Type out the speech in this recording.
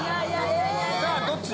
さぁどっちだ？